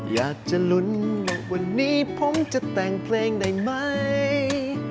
อยากจะลุ้นวันนี้ผมจะแต่งเพลงได้ไหม